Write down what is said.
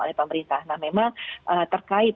oleh pemerintah nah memang terkait